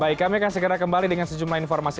baik kami akan segera kembali dengan sejumlah informasi